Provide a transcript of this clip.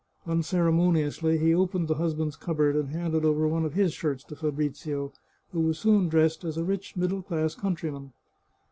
Unceremoniously he opened the husband's cupboard, and handed over one of his shirts to Fabrizio, who was soon dressed as a rich middle class coun tryman.